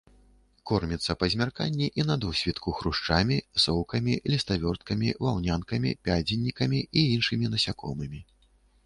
Корміцца па змярканні і на досвітку хрушчамі, соўкамі, ліставёрткамі, ваўнянкамі, пядзенікамі і іншымі насякомымі.